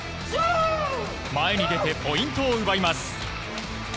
前に出てポイントを奪います。